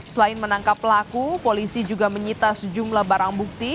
selain menangkap pelaku polisi juga menyita sejumlah barang bukti